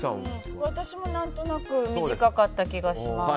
私も何となく短かった気がします。